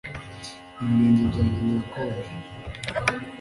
Ibirenge byanjye birakonje